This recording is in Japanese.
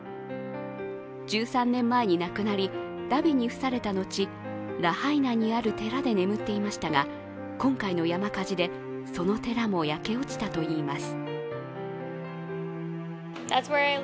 １３年前に亡くなり、だびに付された後、ラハイナにある寺で眠っていましたが今回の山火事で、その寺も焼け落ちたといいます。